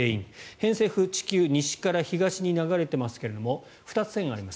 偏西風は地球を西から東に流れていますが２つ線があります